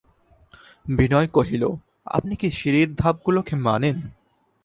বিনয় কহিল, আপনি কি সিঁড়ির ধাপগুলোকে মানেন?